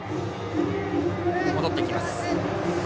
戻ってきます。